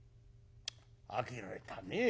あきれたねえ。